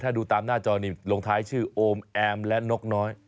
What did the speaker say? ถ้าดูตามหน้าจอนี้ลงท้ายชื่อโอมแอมและนกน้อย